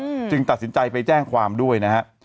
อืมจึงตัดสินใจไปแจ้งความด้วยนะฮะ